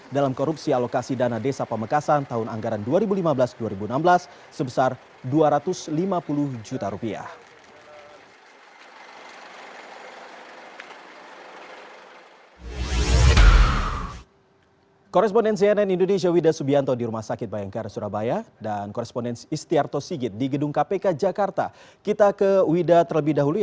dalam korupsi alokasi dana desa pamekasan tahun anggaran dua ribu lima belas dua ribu enam belas sebesar dua ratus lima puluh juta rupiah